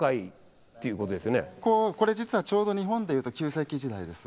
これ実はちょうど日本で言うと旧石器時代です。